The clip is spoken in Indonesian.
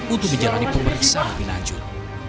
untuk menjalani pemeriksaan lebih lanjut